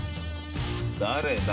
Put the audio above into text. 誰だ？